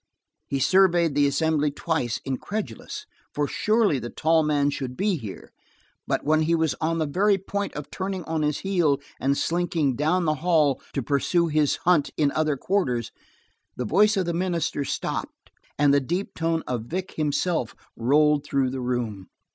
He surveyed the assembly twice, incredulous, for surely the tall man should be here, but when he was on the very point of turning on his heel and slinking down the hall to pursue his hunt in other quarters, the voice of the minister stopped, and the deep tone of Vic himself rolled through the room.